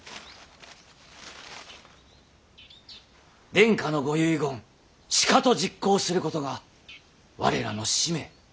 殿下のご遺言しかと実行することが我らの使命。